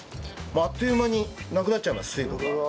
あっという間になくなっちゃいます水分が。